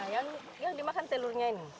yang dimakan telurnya ini